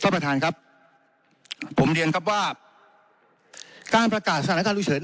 ผมเรียนว่าการประกาศสถานการณ์ลูกเฉิน